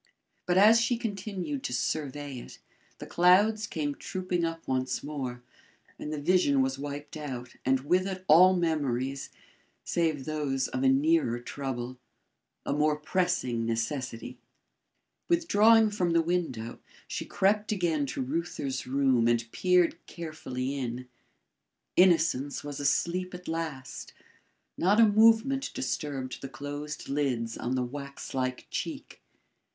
But as she continued to survey it, the clouds came trooping up once more, and the vision was wiped out and with it all memories save those of a nearer trouble a more pressing necessity. Withdrawing from the window, she crept again to Reuther's room and peered carefully in. Innocence was asleep at last. Not a movement disturbed the closed lids on the wax like cheek.